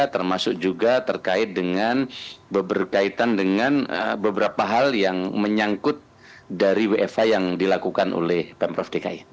termasuk juga terkait dengan berkaitan dengan beberapa hal yang menyangkut dari wfh yang dilakukan oleh pemprov dki